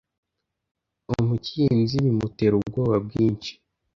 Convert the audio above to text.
Umukinzi bimutera ubwoba bwinshi